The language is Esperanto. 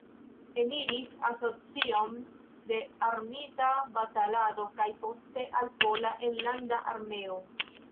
Eniris Asocion de Armita Batalado, kaj poste al Pola Enlanda Armeo.